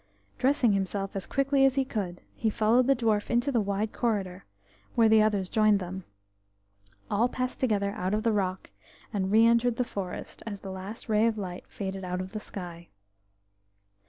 Dressing himself as quickly as he could, he followed the dwarf into the wide corridor, where the others joined them. All passed together out of the rock, and re entered the forest as the last ray of light faded out of the sky.